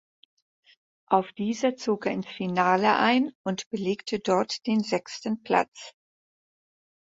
Auf dieser zog er ins Finale ein und belegte dort den sechsten Platz.